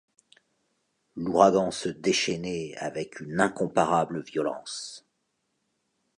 L’ouragan se déchaînait avec une incomparable violence.